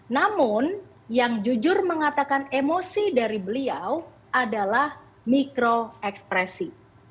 namun yang jujur mengatakan emosi dari beliau adalah mikro ekspresi